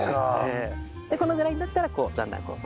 このぐらいになったらこうだんだんこうまとめて。